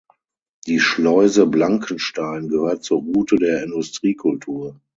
Die Schleuse Blankenstein gehört zur Route der Industriekultur.